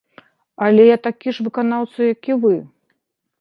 Але я такі ж выканаўца, як і вы.